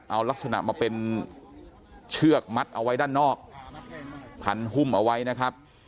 เอาลักษณะมาเป็นเชือกมัดเอาไว้ด้านนอกพันหุ้มเอาไว้นะครับ